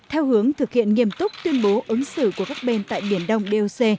theo hướng thực hiện nghiêm túc tuyên bố ứng xử của các bên tại biển đông doc